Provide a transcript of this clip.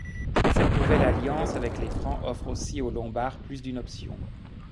Cette nouvelle alliance avec les Francs offre ainsi aux Lombards plus d'une option.